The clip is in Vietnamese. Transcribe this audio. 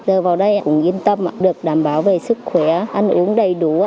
giờ vào đây cũng yên tâm được đảm bảo về sức khỏe ăn uống đầy đủ